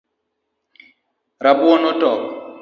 Rabuon otop